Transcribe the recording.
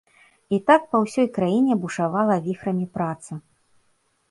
І так па ўсёй краіне бушавала віхрамі праца.